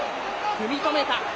くみ止めた。